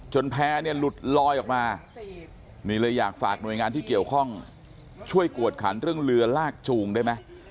แพ้เนี่ยหลุดลอยออกมานี่เลยอยากฝากหน่วยงานที่เกี่ยวข้องช่วยกวดขันเรื่องเรือลากจูงได้ไหม